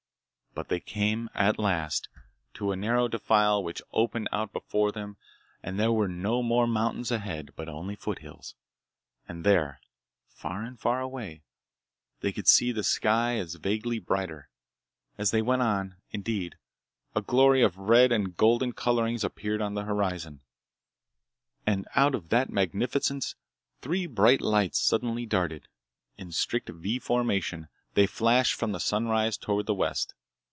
But they came, at last, to a narrow defile which opened out before them and there were no more mountains ahead, but only foothills. And there, far and far away, they could see the sky as vaguely brighter. As they went on, indeed, a glory of red and golden colorings appeared at the horizon. And out of that magnificence three bright lights suddenly darted. In strict V formation, they flashed from the sunrise toward the west.